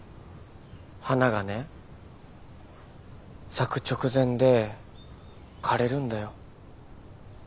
花がね咲く直前で枯れるんだよ。